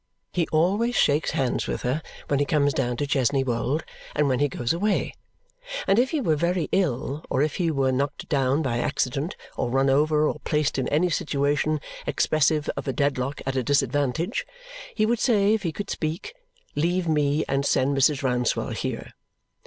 He always shakes hands with her when he comes down to Chesney Wold and when he goes away; and if he were very ill, or if he were knocked down by accident, or run over, or placed in any situation expressive of a Dedlock at a disadvantage, he would say if he could speak, "Leave me, and send Mrs. Rouncewell here!"